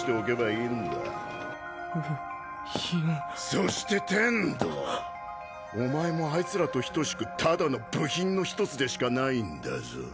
そして天道お前もあいつらと等しくただの部品の一つでしかないんだぞ。